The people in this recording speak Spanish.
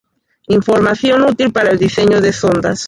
Información útil para el diseño de sondas.